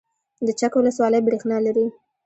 د چک ولسوالۍ بریښنا لري